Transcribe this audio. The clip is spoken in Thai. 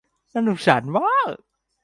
น่าสงสารมาก